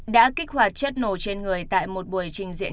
đã kích hoạt chất nổ trên người tại một buổi trình diễn